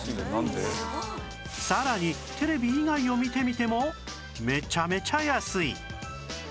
さらにテレビ以外を見てみてもめちゃめちゃ安い